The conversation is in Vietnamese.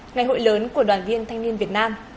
ngày hội lớn của đoàn viên thanh niên việt nam